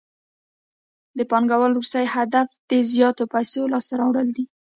د پانګوال وروستی هدف د زیاتو پیسو لاسته راوړل دي